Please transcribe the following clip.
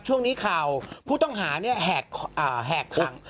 ช่วงนี้ข่าวผู้ต้องหาแหกคัง